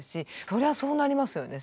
そりゃそうなりますよね